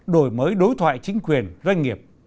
đổi mới đối thoại chính quyền doanh nghiệp